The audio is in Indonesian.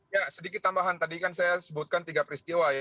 ya sedikit tambahan tadi kan saya sebutkan tiga peristiwa ya